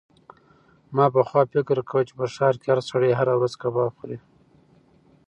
ما پخوا فکر کاوه چې په ښار کې هر سړی هره ورځ کباب خوري.